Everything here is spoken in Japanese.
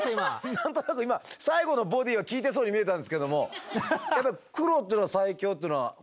何となく今最後のボディーは効いてそうに見えたんですけどもやっぱり黒というのは最強っていうのは関係があるんですか？